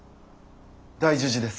大樹寺です。